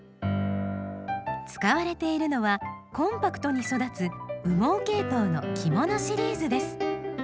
使われているのはコンパクトに育つ羽毛ケイトウの「きもの」シリーズです。